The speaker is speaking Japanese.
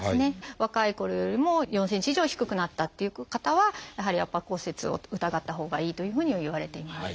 若いころよりも４ｃｍ以上低くなったっていう方はやはり圧迫骨折を疑ったほうがいいというふうにはいわれています。